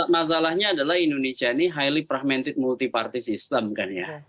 masalahnya adalah indonesia ini highly fragmented multi party system kan ya